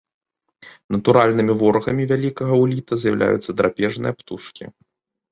Натуральнымі ворагамі вялікага уліта з'яўляюцца драпежныя птушкі.